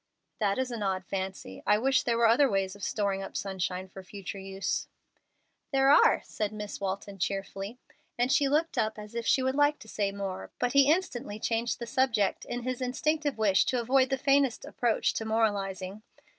"That is an odd fancy. I wish there were other ways of storing up sunshine for future use." "There are," said Miss Walton, cheerfully; and she looked up as if she would like to say more, but he instantly changed the subject in his instinctive wish to avoid the faintest approach to moralizing.